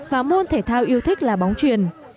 và môn thể thao yêu thích là bóng truyền